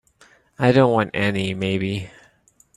I don't want any maybe.